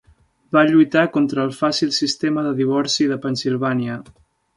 Va lluitar contra el fàcil sistema de divorci de Pennsilvània.